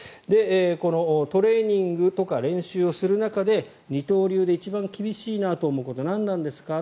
このトレーニングとか練習をする中で二刀流で一番厳しいなと思うこと何なんですか？